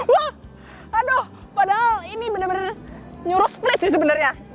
wah aduh padahal ini bener bener nyuruh split sih sebenernya